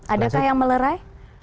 adakah yang melerai